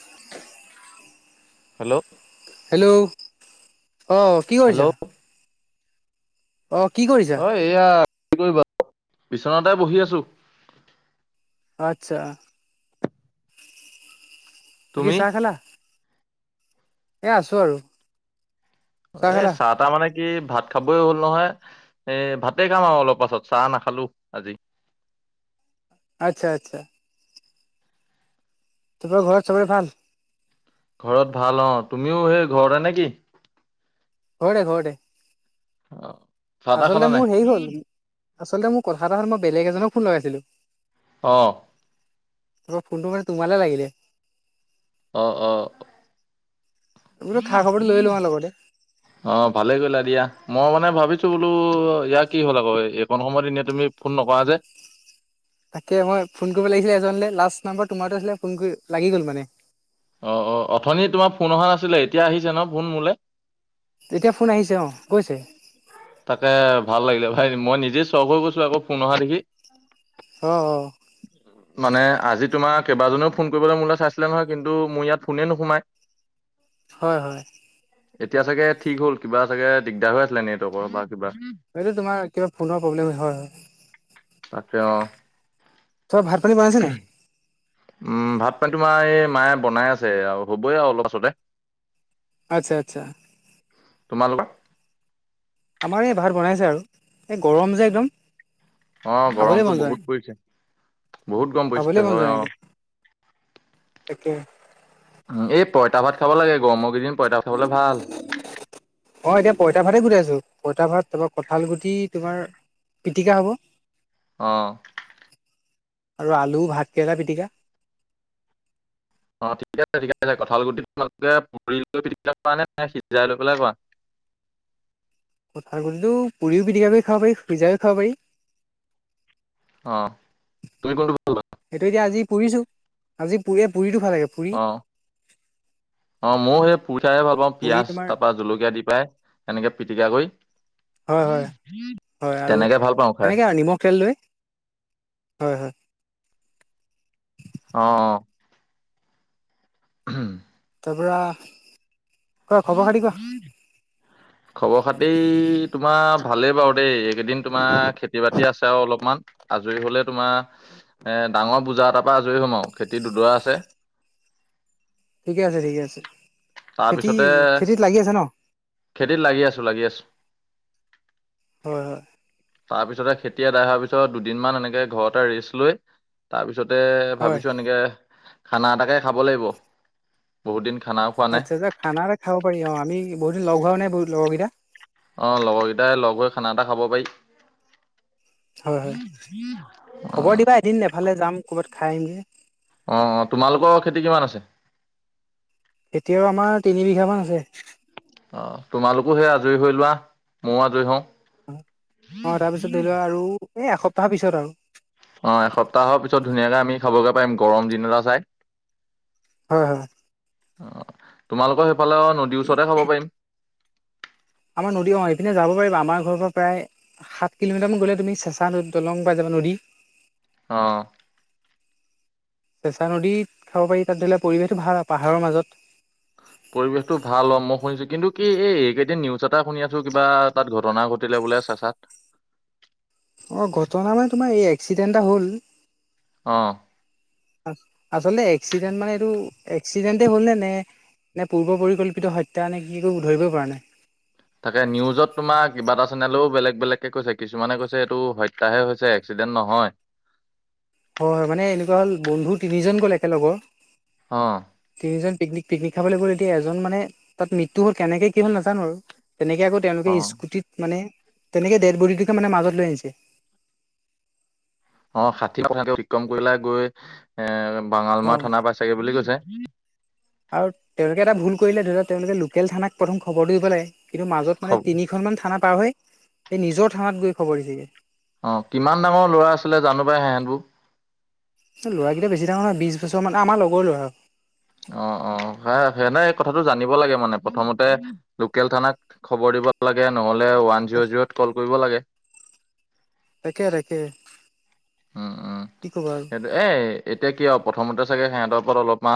[inaudible] Hello hello অ', কি hello কৰিছা? অ', কি কৰিছা? এইয়া কি কৰিবা বিচনাতেই বহি আছো। আচ্ছা। বাকী তুমি চাহ খালা? এ আছো আৰু। চাহ এই খালা চাত তাৰ মানে কি ভাত খাবই হ'ল নহয় এ ভাতে খাম আৰু অলপ পাছত চাহ নাখালো আজি। আচ্ছা আচ্ছা। তাৰপা ঘৰত চবৰে ভাল? ঘৰত ভাল অ', তুমিও সেই ঘৰতে নেকি? ঘৰতে ঘৰতে। অ', চাহ তাহ আচলতে খালা নাই মোৰ হেৰি হ'ল আচলতে মোৰ কথা এটা হ'ল মই বেলেগ এজনক ফোন লগাইছিলো অ', ত ফোনটো মানে তোমালৈ লাগিলে। অ, অ, বোলো খা খবৰটো লৈ লওঁ আৰু লগতে। অ, ভালে কৰিলা দিয়া মই মানে ভাবিছো বোলো ইয়াৰ কি হ'ল আকৌ অইন সময়ত ইনে তুমি ফোন নকৰা যে। তাকে মই ফোন কৰিব লাগিছিলে এজনলৈ লাষ্ট নাম্বাৰ তোমাৰো আছিলে ফোন কৰি লাগি গ'ল মানে। অ', অ', অথনি তোমাৰ ফোন অহা নাছিলে। এতিয়া আহিছে ন ফোন মোলে? এতিয়া ফোন আহিছে অ, গৈছে। তাকে ভাল লাগিলে ভাই মই নিজেই চক হৈ গৈছো আকৌ ফোন অহা দেখি। অ', অ', মানে আজি তোমাৰ কেইবাজনেও ফোন কৰিবলৈ মোলৈ চাইছিলে নহয় কিন্তু কিন্তু মোৰ ইয়াত ফোনে নোসোমাই। হয় হয়। এতিয়া চাগে ঠিক হ'ল কিবা চাগে দিগদাৰ হৈ আছিলে নেটৱৰ্কৰ বা কিবা। এইটো তোমাৰ কিবা ফোনৰ প্ৰব্লেম হয় হয়। তাকে অঁ। চব ভাত পানী বনাইছে নাই? উম ভাত পানী তোমাৰ এই মায়ে বনাই আছে আৰু হ'বই আৰু অলপ পাছতে। আচ্ছা আচ্ছা। তোমালোকৰ? আমাৰ এই ভাত বনাইছে আৰু এই গৰম যে একদম। অঁ খাবলৈ মন গৰমটো যায় বহুত পৰিছে। বহুত গৰম পৰিছে খাবলৈ মন যোৱা হয় অ নাই একদম, তাকে। অঁ, এই পইতা ভাত খাব লাগে গৰমৰ কেইদিন পইতা ভাত খাবলে ভাল। অঁ এতিয়া পইতা ভাতে গুটাইছো। পইতা ভাত তাপা কঁঠাল গুটি তোমাৰ পিটিকা হ'ব। অঁ। আৰু আলু ভাত কেৰেলা পিটিকা। অঁ ঠিক আছে ঠিক আছে। কঠাল গুটি তোমালোকে [unintelligible] পুৰি লৈ [unintelligible] পিটিকা কৰা নে সিজাই লৈ পেলাই কৰা? কঁঠাল গুটিটো পুৰিও পিটিকা কৰি খাব পাৰি সিজাইও খাব পাৰি। অঁ, তুমি কোনটো ভাল পোৱা? সেইটোৱে এতিয়া আজি পুৰিছো আজি পুৰিয়ে পুৰিতো ভাল লাগে। পুৰি অহ, অঁ মও সেই পুৰি খায়ে ভাল পাওঁ পুৰি পিঁয়াজ তোমাৰ তাপা জলকীয়া দি পাই। সেনেকে পিটিকা কৰি হয় হয়, হয় আৰু তেনেকে ভাল পাওঁ খাই এনেকে আৱ নিমখ তেল লৈ, হয় হয়। অঁ অঁ। উমহ। তাৰপৰা [unintelligible] খবৰ খাতি তোমাৰ ভালেই বাৰু দেই এইকেইদিন তোমাৰ খেতি বাতি বাকী আছে আৰু অলপমান আজৰি হ'লে তোমাৰ এ ডাঙৰ বোজা এটাৰ পৰা আজৰি হম আৱ খেতি দুদৰা আছে। ঠিকে আছে ঠিকে আছে, খেতি তাৰপিছতে খেতিত লাগি আছে ন? খেতিত লাগি আছোঁ লাগি আছোঁ। হয় হয়। তাৰপিছতে খেতি এদায় হোৱাৰ পিছত দুদিনমান এনেকে ঘৰতে ৰেষ্ট লৈ তাৰপিছতে হয় ভাবিছোঁ এনেকে খানা এটাকে খাব লাগিব। বহুত দিন খানাও খোৱা নাই আচ্ছা আচ্ছা খানা এটা খাব পাৰি অঁ আমি বহুতদিন লগ হোৱাও নাই বহুত লগৰ কেইটা। অঁ লগৰ কেইটাই লগ হৈ খানা এটা খাব পাৰি। হয় হয়। খবৰ অ দিবা এদিন এফালে যাম ক'ৰবাত খাই আহিমগে। অঁ অঁ, তোমালোকৰ খেতি কিমান আছে? এতিয়াও আমাৰ তিনি বিঘা মান আছে। অঁ তোমালোকো সেই আজৰি হৈ লোৱা, মও আজৰি হওঁ। অঁ, অঁ তাৰপিছত ধৰি লোৱা আৰু এই এসপ্তাহৰ পিছত আৰু। অঁ এসপ্তাহৰ পিছত ধুনীয়াকে আমি খাবগৈ পাৰিম গৰম দিন এটা চাই। হয় হয় হয়। অঁ তোমালোকৰ সেইফাল নদীৰ ওচৰতে খাব পাৰিম। আমাৰ নদী অঁ এইপিনে যাব পাৰিবা। আমাৰ ঘৰৰ পৰা প্ৰায় সাত কিলোমিটাৰ মান গ'লে তুমি চেঁচা নৈ দলং পাই যাবা নদী। অঁ। চেঁচা নদীত খাব পাৰি তাত ধৰি ল' পৰিৱেশটো ভাল পাহাৰৰ মাজত। পৰিৱেশটো ভাল অঁ মই শুনিছোঁ কিন্তু কি এই এইকেইদিন নিউজ এটা শুনি আছোঁ কিবা তাত ঘটনা ঘটিলে বোলে চেঁচাত। অ' ঘটনা মানে তোমাৰ এই এক্সিডেণ্ট এটা হ'ল। অ। আচলতে এক্সিডেণ্ট মানে এইটো এক্সিডেণ্টে হ'ল নে নে নে পূৰ্ব পৰিকল্পিত হত্যা নে কি কৰিব ধৰিবই পৰা নাই। তাকে নিউজত তোমাৰ কিবা এটা চেনেলেও বেলেগ বেলেগকে কৈছে কিছুমানে কৈছে এইটো হত্যাহে হৈছে এক্সিডেণ্ট নহয়। হয় হয় মানে এনেকুৱা হ'ল বন্ধু তিনিজন গ'ল একেলগৰ। অ। তিনিজন পিকনিক পিকনিক খাবলৈ গ'ল এতিয়া এজন মানে তাত মৃত্যু হল কেনেকে কি হ'ল নাজানো আৰু। তেনেকে আকৌ তেওঁলোকে অ স্কুটিত মানে তেনেকে ডেড বডিটোকে মানে মাজত লৈ আনিছে। অ' ষাঠি কথাকে অতিক্ৰম কৰি পেলাই গৈ এ অ বাঙালমাৰ থানা পাইছাগে বুলি কৈছে। আৰু তেওঁলোকে এটা ভুল কৰিলে ধৰি লক তেওঁলোকে লোকেল থানাক প্ৰথম খবৰটো দিব লাগে কিন্তু মাজত মানে তিনি খনমান থানা পাৰ হৈ এই নিজৰ থানাত গৈ খবৰ দিছেগৈ। অ', কিমান ডাঙৰ ল'ৰা আছিলে জানো পাই হেহেতবোৰ। ল'ৰাকেইটা বেছি ডাঙৰ নহয় বিশ বছৰমান আমাৰ লগৰ ল'ৰা আৰু। অ' অ' স এনে কথাটো জানিব লাগে মানে প্ৰথমতে লোকেল থানাক খবৰ দিব নহ'লে ওৱান জিৰ' জিৰ'ত কল কৰিব লাগে। তাকে তাকে উম উম কি কবা আৰু। এ সেইটো এতিয়া কি আৰু প্ৰথমতে চাগে সিহঁতৰ ওপৰত অলপমান